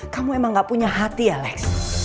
kamu emang gak punya hati ya alex